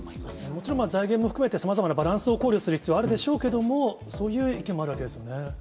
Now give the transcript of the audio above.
もちろん、財源も含めてさまざまなバランスを考慮する必要があるでしょうけども、そういう意見もあるわけですよね。